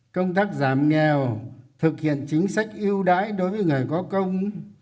công tác giảm nghèo thực hiện chính sách ưu đãi đối với người có công